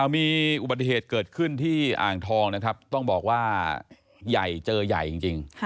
มีอุบัติเหตุเกิดขึ้นที่อ่างทองนะครับต้องบอกว่าใหญ่เจอใหญ่จริง